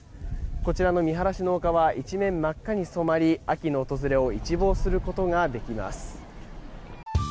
こちらのみはらしの丘は一面、真っ赤に染まり秋の訪れを一望することができます。